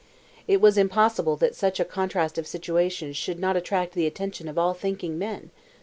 It was impossible that such a contrast of situations should not attract the attention of all thinking men!